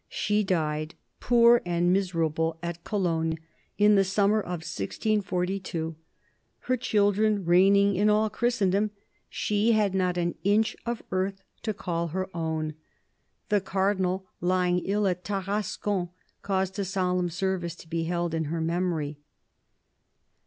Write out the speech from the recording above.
She died, poor and miserable, at Cologne, in the summer of 1642 : her children reigning in all Christendom, she had not an inch of earth to call her own. The Cardinal, lying ill at Tarascon, caused a solemn service to be held in her memory.